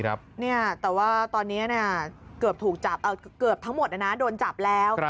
แต่ว่าตอนนี้เกือบถูกจับเกือบทั้งหมดโดนจับแล้ว